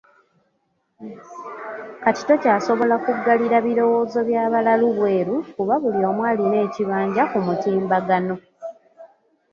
Kati tokyasobola kuggalira birowoozo bya balalu bweru kuba buli omu alina ekibanja ku mutimbagano